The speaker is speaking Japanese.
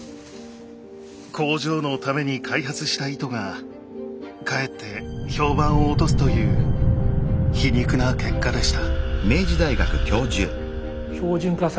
工場のために開発した糸がかえって評判を落とすという皮肉な結果でした。